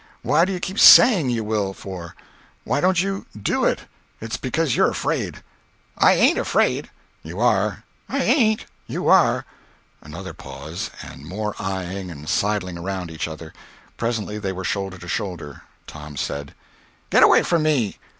What do you keep saying you will for? Why don't you do it? It's because you're afraid." "I ain't afraid." "You are." "I ain't." "You are." Another pause, and more eying and sidling around each other. Presently they were shoulder to shoulder. Tom said: "Get away from here!"